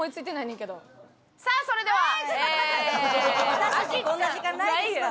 私たちにこんな時間ないですから。